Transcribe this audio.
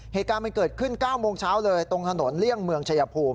เหตุการณ์มันเกิดขึ้น๙โมงเช้าเลยตรงถนนเลี่ยงเมืองชายภูมิ